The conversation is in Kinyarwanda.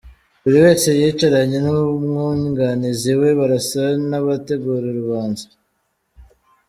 Buri wese yicaranye n’umwunganizi we barasa n’abategura urubanza.